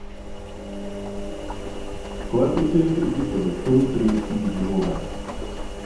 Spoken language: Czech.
Koeficienty u těchto vektorů tedy musí být nulové.